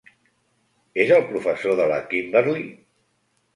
És el professor de la Kimberly?